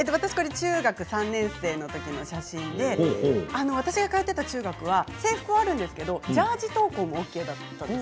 中学３年生のときの写真で私が通っていた中学は制服はあるんですけれどジャージ登校もＯＫだったんです。